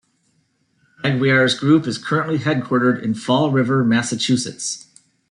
Aguiar's group is currently headquartered in Fall River, Massachusetts.